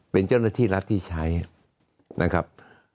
เป็นเจ้าหน้าที่รัฐที่ใช้นะครับ